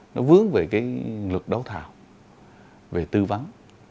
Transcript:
nó vướng về lực đấu thảo về tư vấn